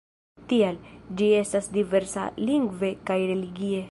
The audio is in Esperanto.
Tial, ĝi estas tre diversa lingve kaj religie.